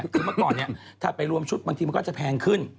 คือเมื่อก่อนถ้าไปรวมชุดมันก็จะแพงขึ้น